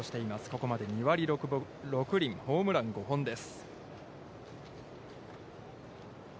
ここまで２割６分６厘ホームラン５本です。